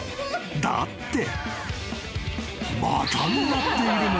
だって］